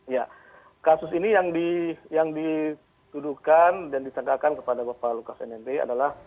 ya kasus ini yang dituduhkan dan ditandakan kepada bapak lukas nmb adalah